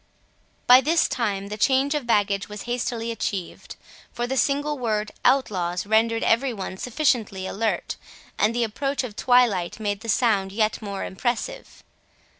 By this time the change of baggage was hastily achieved; for the single word "outlaws" rendered every one sufficiently alert, and the approach of twilight made the sound yet more impressive.